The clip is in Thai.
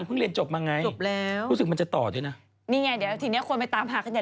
เป็อนนะก็น่าจะเรียนแถวตะแถวนั้นเลยค่ะ